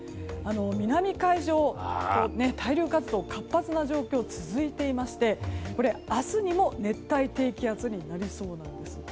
南海上、活動が活発な状況が続いていまして、明日にも熱帯低気圧になりそうなんです。